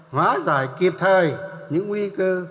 hóa giải kịp thời những nguy cơ